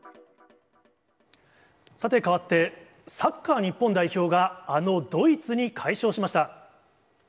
さて変わって、サッカー日本代表が、あのドイツに快勝しました。